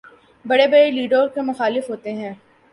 بڑے بڑے لیڈروں کے مخالف ہوتے ہیں۔